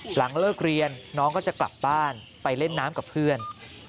หลังเลิกเรียนน้องก็จะกลับบ้านไปเล่นน้ำกับเพื่อน